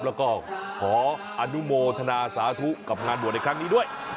แล้วก็ขออนุโมทนาสาธุกับงานบวชในครั้งนี้ด้วย